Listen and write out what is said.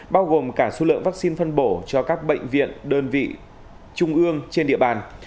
bao gồm cả số lượng vaccine phân bổ cho các bệnh viện đơn vị trung ương trên địa bàn